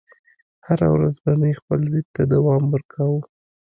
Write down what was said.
هره ورځ به مې خپل ضد ته دوام ورکاوه